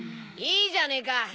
いいじゃねえか。